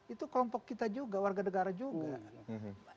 itu kelompok kita juga warga negara juga kan